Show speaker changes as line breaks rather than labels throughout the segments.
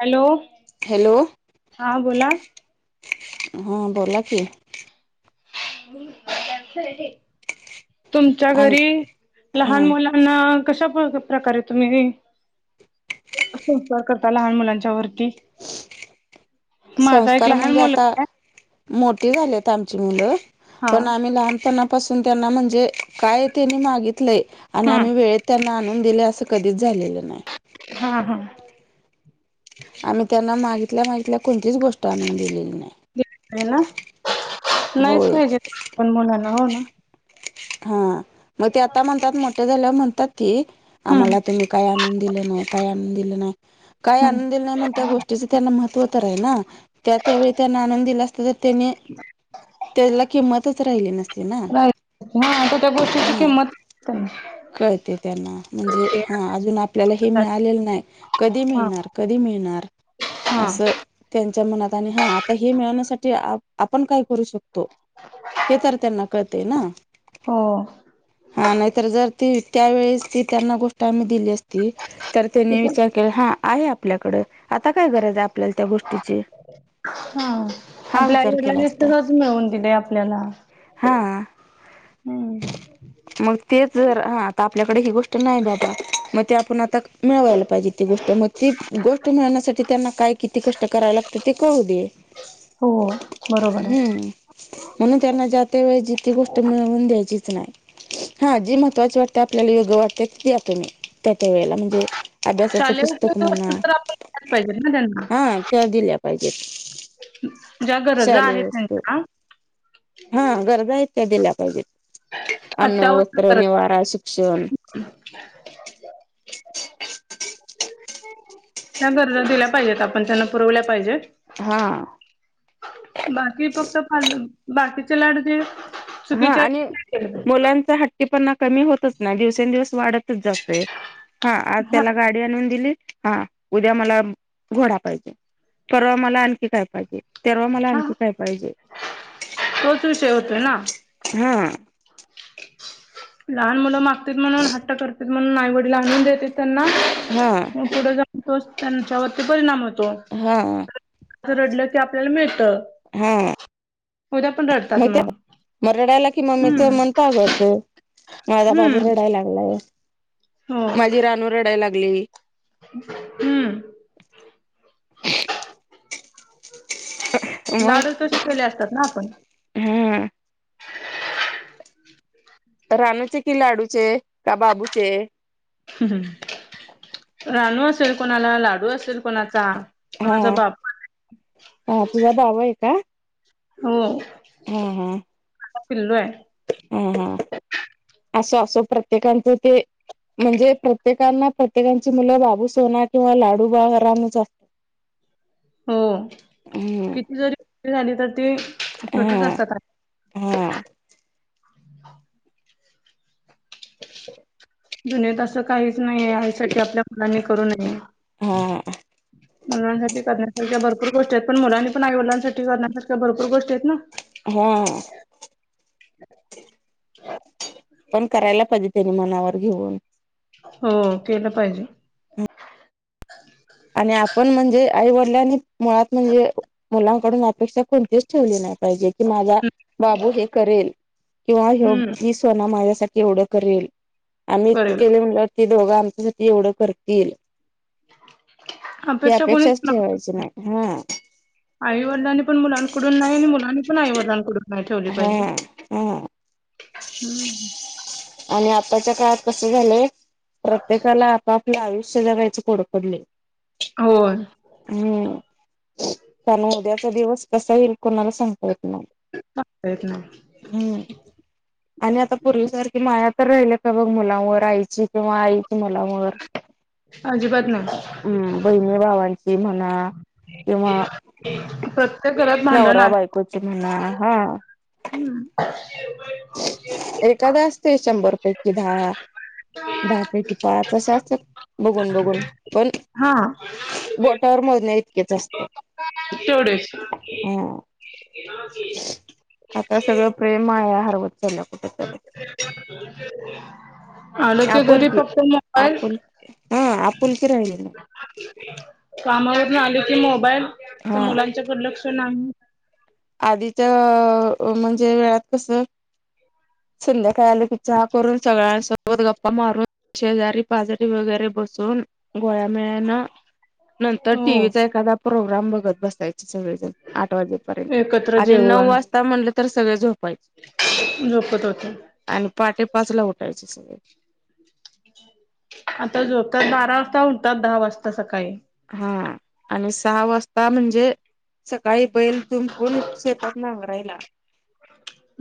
Hello हा बोला
हम्म बोला कि
तुमच्या
आणि
घरी
हा
लहान मुला कशा प्रकारे तुम्ही? संस्कार करता लहान मुलांच्या वरती माझा एक
संस्कार
लहान
म्हणजे
मुलगा
आता मोठी झालीत आमची मुलं
हा
पण आम्ही लहानपणा पासून त्यांना म्हणजे काय त्यांनी मागितलंय आणि
हा
आम्ही वेळेत त्यांना आणून दिले असं कधीच झालेलं नाही
हा हा
आम्ही त्यांना मागितल्या मागितल्या कोणतीच गोष्ट आणून दिलेली नाही
आहे ना नाहीच
होय
पाहिजे पण मुलाला हो ना
हा मग ते आता म्हणतात मोठ्या झाल्या म्हणतात ती
हम्म
आम्हाला तुम्ही काय आणून दिलं नाही काय आणून दिलं नाही काय
हम्म
आनून दिलंय नाही, म्हण त्या गोष्टीच त्यांना महत्व तर आहे, ना त्या त्यावेळी त्यांना आणून दिलं असत. तर त्यानी त्याला किंमतच राहिली. नसते ना
हा
हा
तर
कळते त्यांना म्हणजे हा अजून आपल्याला हे मिळालेलं नाही कधी
हा
मिळणार कधी मिळणार
हा
असं त्यांच्या मनात आणि हा आता हे, मिळवण्यासाठी आपण काय करू शकतो. हे तर त्यांना कळते ना
हो
हा नाहीतर जर ती त्यावेेळेस ती त्यांना, गोष्ट आम्ही दिली असती तर त्यानी विचार हा आहे आपल्याकडे आता काय गरज आहे, आपल्याला त्या गोष्टीची
हा
हा
आपल्या
विचार
आईडला
केला असता
नसतसच, मिळून दिले आपल्याला
हा
हम्
मग तेच जर हा आता, आपल्याकडे ही गोष्ट नाही बाबा मग ते आपण आता मिळवायला पाहिजे ते गोष्ट तर मग ती गोष्ट मिळवण्यासाठी, त्यांना काय किती कष्ट करायला, लागत ते कळू दे
हो बरोबर आहे
हम्म म्हणून त्यांना जात वे जिे गोष्ट मिळवून द्यायचीच नाही हा जी महत्वाची वाटते, आपल्याला योग वाटते त द्या तु म्ही त्या त्या वेळेला म्हणजे अभ्यासाचं
शालेय
पुस्तक
उपयोगी
म्हणा
वस्तू तर आपण दिल्याच पाहिजेत ना त्यांना
हा त्या दिल्या
ज्या गरजा
ले
आहेत
वस्तू
त्यांच्या
हा गरजा आहेत त्या दिल्या पाहिजेत
अत्यावश्यक
अन्नवत्र
गरजा
निवारा शिक्षण [inaudible]
त्या गरजा दिल्या पाहिजेत, आपण त्यांना पुरवल्या पाहिजेत
हा.
बाकी फक्त फ बाकीचे लाडूचेे
हा आणि मुलांचा हट मुलांचा हट्टीपणा कमी होतच नाही, दिवसेंदिवस वाढत ह आ त्या
हा
आण दिली हा उद्या मला घोड पाहिजे परवा मला आणखी काय पाहिजे, तेरव मला
हा
आणखी काय पाहिजे.
तोच विषय होतोय ना
हा.
लहान मुलं माग म्हणून हट्ट [unintelligible] म्हणून आईवडीला आणून देत्यात त्यांना
हा
पुढ जाऊ तोच त्यांच्यावरती परिणाम होतो.
हा.
रडलं की आपल्याला मिळत,
हा
उद्या पण रड.
मग त्या रडायला कि मम्मीचा मन पाजळतोय माझा बाबू
हम्म
रडाय लागलाय
हो
माझी रानू रडायला लाग गली.
हम्म. लाडच तसे ठेवले असतात ना आपण.
हम्म. रानूचे कि लाडूचे का बाबूचे.
राणू असेल कोणाला लाडू असेल. कोणाचा,
हा
कोणाचा बाप
हा तुझा बाबू
हो.
हम्म हम्म.
पिल्लू आहे.
हम्म हम्म, असो असो प्रत्येकांच ते म्हणजे प्रत्येकांना प्रत्येकांची मुलं बाबू सोना किंवा लाडू बारामचा
हो
हम्म
किती जरी झाली तर ती छोटीच असतात.
हम्म.
दुनियेत असं काहीच नाहीे आयसाठी आपल्या मुलांनी करू नये.
हा
मुलांसाठी करण्यासारख्या भरपूर गोष्टी आहेत पण मुलांनी पण आई वडिलांसाठी करण्यासारख्या भरपूर गोष्टी आहेत ना.
हम्म. पण करायला पाहिजे त्यानी मनावर घेऊन.
हम्म केलं पाहिजे.
आणि आपण म्हणजे आई वडिलांनी मुळात म्हणजे मुलांकडून अपेक्षा कोणतीच ठेवली नाही पाहिजे. कि माझा बाबू हे करेल किंवा यो
हम्म
हि सोना माझ्यासाठी एवढ करेल आम्ही इ
करेल
केले [unintelligible] ती दोघं आमच्यासाठी एवढं करतील. ही
अपेक्षा कोणीच
अपेक्षाच ठेवायची नाही हा
आई वडलांनी पण मुलांकडून नाही आणि मुलांनी पण आई वडिलांकडून नाही ठेवली प
हम् हम्.
हम्म.
आणि आताच्या काळात कस झालंय प्रत्येकाला आपापले आयुष्य जगायचं पुड पडलय.
होय.
हम्म त्याण उद्याचा दिवस कसा येईल कोणाला सांगता येत नाही.
[unintelligible]
हम्म. आणि आता पूर्वीसारखी माया तर राहिली का बघ मुलावर आईची किंवा आईची मुलावर.
अजि बात नाही.
हम्म बहिणी भावांची म्हणा. किंवा
प्रत्येक घरात भांडण हाय.
एक मिनिट हा. हा.
हम् [unintelligible]
एखादा असतय, शंभर पैकी दहा दहा पैकी पाच अशा असत्यात, बघून बघून पण
हा
बोटावर मोजण्या इतकेच असतात. हा.
ए म [unintelligible]
आता सगळं प्रेम, माया हरवत चालल्या कुठ? तर
आलं की, घरी
आपुलकी
फक्त मोबाईल.
आपुल हा आपुलकि राहिलेली नाही.
कामावरन आली की मोबाईल, त्या
हा
मुलांच्याकड लक्ष नाही.
आधीच्या म्हणजे वेळात कसं? संध्याकाळी आल की, चहा करून सगळ्यांसोबत गप्पा मारून शेजारी पाजरी वगैरे बसून घोळ्यामेळ्यानं, नंतर टीव्हीचा
हो
एखादा प्रोग्राम बघत बसायच सगळेजण आठ वाजेपर्यंत
एकत्र
आणि नऊ
जेवण
वाजता म्हणले तर सगळे झोपायचे.
झोपत होते.
आणि पाहाटे पाच ला उठायचे सगळे.
आता झोपतात बारा वाजता. उठतात दहा वाजता सकाळी.
हा आणि सहा वाजता म्हणजे सकाळी बैल जुंपून, शेतात नांगरायला.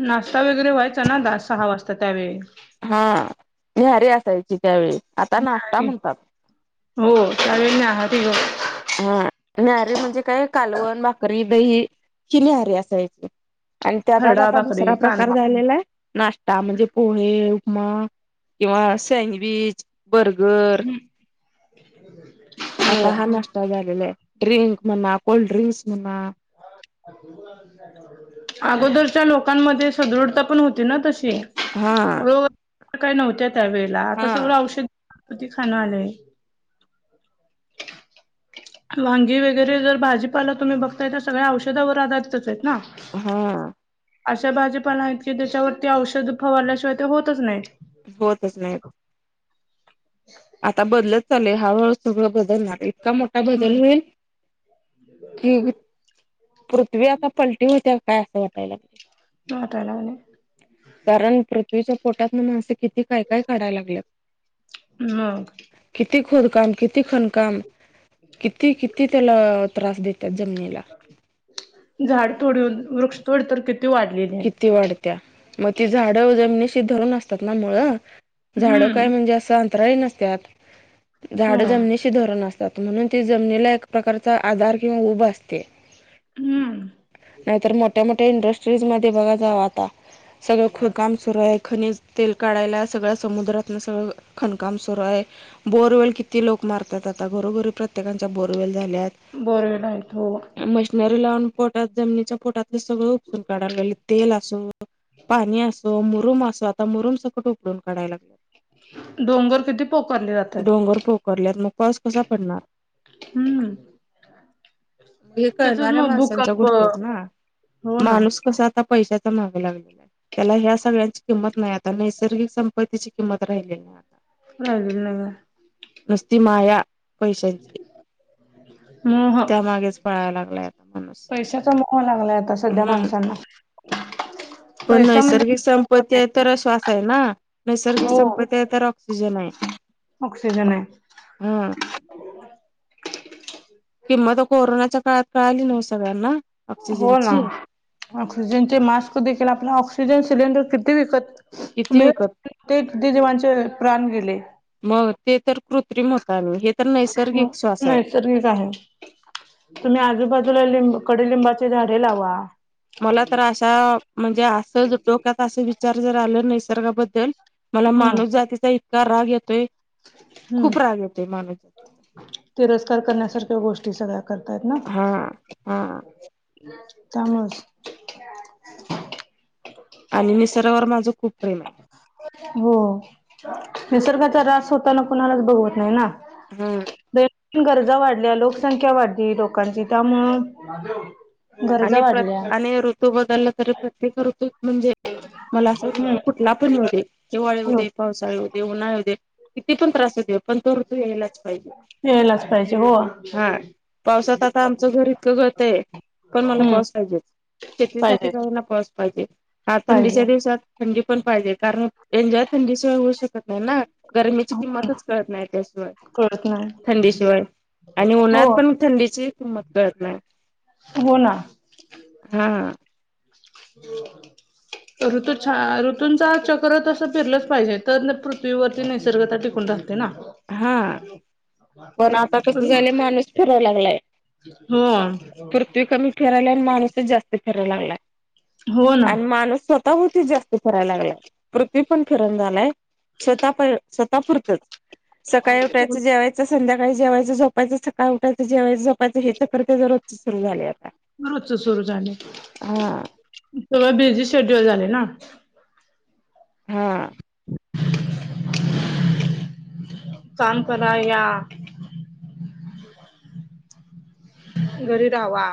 नाश्ता वगैरे व्हायचा ना, दहा सहा वाजता त्यावेळी
हा न्याहारी असायची त्यावेळी, आता नाश्ता
न्याहारी
म्हणतात.
हो त्या वेळी न्याहारी ओ
हा न्याहारी म्हणजे काय कालवण, भाकरी, दही हि न्याहरी असायची. आणि त्याचाच
खरडा
आता दुसरा
भाकरी
प्रकार
कांदा
झालेला हाय नाश्ता म्हणजे पोहे, उपमा किंवा सँडविच, बर्गर आता
हो
हा नाष्टा झालेला हाय. ड्रिंक म्हणा, कोल्ड्रिंक्स म्हणा
अगोदरच्या लोकांमध्ये सदृढता पण होती ना तशी
हा.
रोग काही नव्हत्या त्या वेळेला, आता
हा
सगळं औषधी खाण आलय. वांगी वगैरे जर भाजीपाला तुम्ही बघताय? तर सगळ्या औषधावर आधारितच आहेत ना.
हा.
अशा भाजीपाला आहेत की, त्याच्यावरती औषध फवारल्याशिवाय ते होतच नाही.
होतच नाहीत. आता बदलत चालय, हाळूहळू सगळं बदलणार, इतका मोठा
बर
बदल होईल कि ही पृथ्वी आता पलटी होत्या काय असं वाटायलय?
वाटाय लागलय.
कारण पृथ्वीच्या पोटातन, मानसें किती काय काय काढायला लागल्यात?
मग
किती खोदकाम? किती खणकाम? किती किती त्याला त्रास देत्यात जमनीला.
झाड तोडून, वृक्षतोड तर किती? वाढलेली आहे.
किती वाढत्या? मग ती झाडं जमनीशी धरून असतात ना मुळ. झाड काय
हम्म
म्हणजे असं अंतराळी नसत्यात? झाड
हो
जमनिशी धोरणं असतांत म्हणूंन जमनीला एक प्रकारचा आंधार किंवा उभं असते
हम्म
नाहीं तरं मोठ्यां मोठ्यां इंडस्ट्रीज मध्यें बघां जावं आंता सगळं ख कामं व्हयं खनिज तेल काढायंला सगळ्यां समुद्रातून सगळं खाणकाम सुरूं आहे बोरवेल किती लोकं मारतात आंता घरोघरी प्रत्येकांच्या बोरवेल झाल्यांत
बोरवेडयतो
मशिनरी लावूंन पोटांत जमिनीच्या पोटांतले सगळं उपसूंन काढायं लागले तेल अंसू पाणी असो मुरूम असो आंता मुरूम संकट उखडून काढायलां
डोंगर किती पोकारले
लागलं
जातात
डोंगर पोकरल्यांत वरं मंग पाऊस कसां पडणांर
हम्मं
मग हे
त्याचंच
कळणाऱ्या
मुळं मंग
माणसांच्या
भूकंप
गोष्टी आहेत ना
हो ना
माणूस कसां आंता पैशांचा मागे लागलेला आहे त्यांला ह्यां सगळ्यांची किंमत नाहीं आंता नैसर्गिक संपत्तीची किंमत राहिली नाहीं आंता
हं नाहीं कां
नुस्ति माया पैशांची
मोह
त्यांमागेच पळालं लागलाय आंता माणूस
पैशांचा मोह लागलांय आंता संध्या माणसांना
पणं
पैसा
नैसर्गिक संपत्ती आहे तरं
म्हणजे
श्वास आहे नां नैसर्गिक
हो
संपत्ती आहे तरं ऑक्सिजन आहे
ऑक्सिजन
हा.
[unintelligible]
किंमत कोरोनांच्या काळांत काळं आली नवं सगळ्यांना
हो
ऑक्सिजनची.
नां ऑक्सिजनचे मास्क देखील आपलां ऑक्सिजन सिलेंडर किती विकतं
किती विकत
मळूंन ते ते जवांचे प्राण गेले
मंग ते तरं कृत्रिम होतांल
हे तरं नैसर्गिक आहे तुम्हीं आजूंबाजूंला लिं कडूलिंबाचे झाडें लांवा
मलां तरं अशा म्हणजे असं डोक्यांत असं विचार जरं आलं निसर्गाबद्दल मलां
हम्म
मानव जातीचा इतकां रांग येतोय खूंप रांग येतोय मानस जातीचा
तिरस्कांर करण्यांसारख्या गोष्टी सगळ्यां करतांय नां
हां
त्यामुळें सं
आणि निसर्गावर माझं खूंप प्रेम आहे
हो निसर्गाचा रांस होतांना कोणालाच बघंवत नाहीं नां
हम्म.
ब [unintelligible] गरजां वाढल्यां लोकसंख्या वाढली लोकांची त्यांमुळं गरजां वाढल्यां
ऋंतू बदलला तरी प्रत्येक ऋतूंत म्हणजे मलां असां ऋंतू
हम्म
कुंठला पणं येऊ दे हिवाळी येऊ दे पावसाळी येउदे उन्हाळे येऊ दे किती पणं त्रास होउदे पणं तो ऋंतू यांयलाच पाहिजे
यायलाच पाहिजे हो
हां पावसांत आंता आमचं घरं इतकं गळतयं पणं मलां
हम्म
पाऊस पाहिजे शेतीसांठी
पाहिजे
कांहीं होईना पाऊस पाहिजे हं थंडीच्या
पाहिजे
दिवसांत थंडी पणं पाहिजे कारणं एन्जॉय थंडी शिवाय होऊचं शकतं नाहीं नां गरमीची किंमतचं कळतं नाहीं त्याशिवाय
कळत नाही
थंडीशिवाय आणि
हो
उन्हात पणं थंडीची किंमत कळतं नाहीं
हो नां
हां
[unintelligible] ऋतू छा ऋतूंचा चक्र तसं फिरलंच पाहिजे, तर न पृथ्वीवरती निसर्गता टिकून राह ते ना.
हा, पण आता कस झालंय माणूस फिराय लागलाय.
हा
पृथ्वी कमी फिरायला आणि माणूसच जास्त फिरायला लागला,
हो ना
आणि माणूस स्वतः भोवतीच जास् त फिराय लागलाय, पृथ्वी पण फिरणा झालाय, स्वतः पा स्वतः पुुरतंच. सकाळी उठायचं जेवायचं, संध्याकाळी जेवायचं झोपायचं सकाळी उठायचं जेवायचं झोपायचं हे चक्र त्याचं रोज च सुरू झाले आ
रोजच सुरू झाले,
हा
सगळं बिझी शेड्युल झाले ना.
हा.
काम करा या. घरी राहावा.